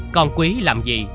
còn quý làm gì